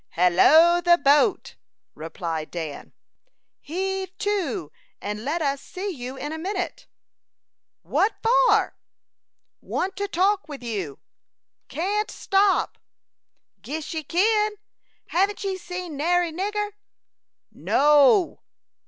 "Hallo, the boat," replied Dan. "Heave to, and let us see you a minute." "What for?" "Want to talk with you." "Can't stop." "Guess ye kin. Heven't ye seen nary nigger?" "No."